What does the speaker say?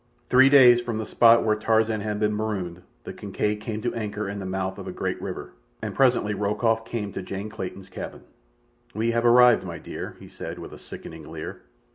Three days from the spot where Tarzan had been marooned the Kincaid came to anchor in the mouth of a great river, and presently Rokoff came to Jane Clayton's cabin. "We have arrived, my dear," he said, with a sickening leer.